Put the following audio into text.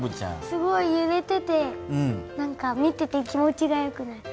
すごいゆれててなんか見てて気持ちが良くなる。